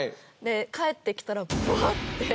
帰ってきたらぶぁって。